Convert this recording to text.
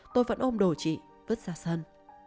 tôi vẫn ôm đồ chị vứt ra sân